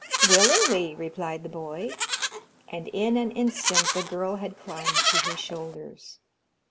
'Willingly,' replied the boy, and in an instant the girl had climbed to his shoulders.